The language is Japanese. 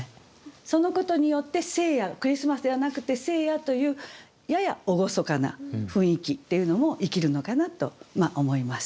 そのことによって「クリスマス」ではなくて「聖夜」というやや厳かな雰囲気っていうのも生きるのかなと思います。